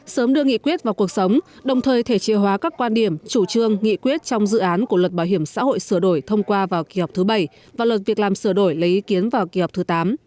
sớm đưa nghị quyết vào cuộc sống đồng thời thể chế hóa các quan điểm chủ trương nghị quyết trong dự án của luật bảo hiểm xã hội sửa đổi thông qua vào kỳ họp thứ bảy và luật việc làm sửa đổi lấy ý kiến vào kỳ họp thứ tám